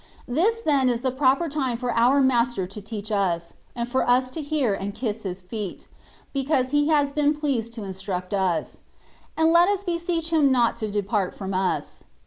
This^ then^ is the proper time for our Master to teach us^ and for us to hear and kiss His feet^ because He has been pleased to instruct us ; and let us beseech Him not to depart from us.